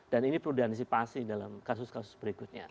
dan ini perlu diantisipasi dalam kasus kasus berikutnya